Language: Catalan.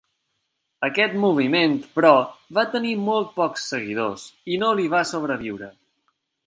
Aquest moviment, però, va tenir molt pocs seguidors i no li va sobreviure.